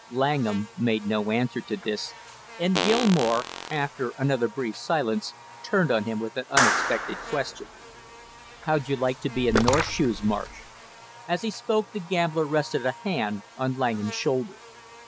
Langham made no answer to this, and Gilmore, after another brief silence, turned on him with an unexpected question: "How would you like to be in North's shoes, Marsh?" As he spoke, the gambler rested a hand on Langham's shoulder.